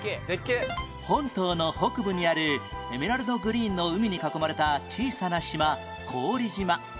本島の北部にあるエメラルドグリーンの海に囲まれた小さな島古宇利島